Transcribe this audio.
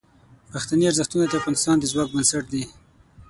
پښتني ارزښتونه د افغانستان د ځواک بنسټ دي.